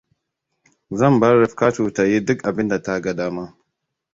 Zan bar Rifkatu ta yi duk abinda ta ga dama.